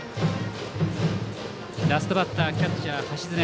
ラストバッターキャッチャー、橋爪。